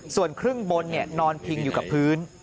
ส่วนครึ่งบนนอนพิงอยู่กับพื้น